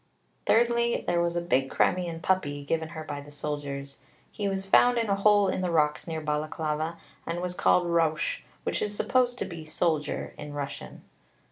Thirdly, there was a big Crimean puppy, given her by the soldiers. He was found in a hole in the rocks near Balaclava, and was called 'Rousch,' which is supposed to be 'soldier' in Russian.